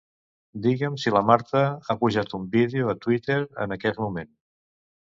Digue'm si la Marta ha pujat un vídeo a Twitter en aquest moment.